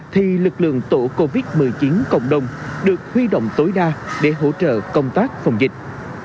thì lực lượng tổ covid một mươi chín cộng đồng được huy động tối đa để hỗ trợ công tác phòng dịch